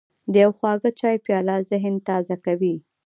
د یو خواږه چای پیاله ذهن تازه کوي.